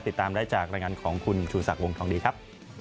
ติดตามได้จากรายงานของคุณชูศักดิ์วงทองดีครับ